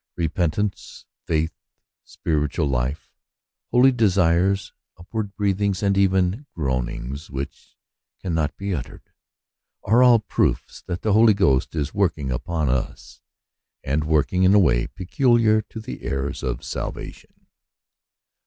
Repentance, faith, spiritual life, holy desires, upward breathings, and even "groanings, which cannot be uttered, are all proofs that the Holy Ghost is working upon us ; and working in a way peculiar to the heirs of salvation.